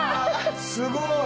すごい！